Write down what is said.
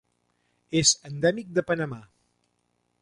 És endèmic de Panamà.